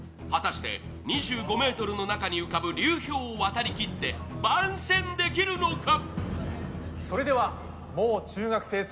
果たして２５ｍの中にある流氷を渡りきって番宣できるのか！？